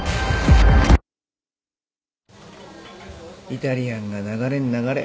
イタリアンが流れに流れ